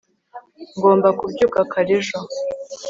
ngomba kubyuka kare ejo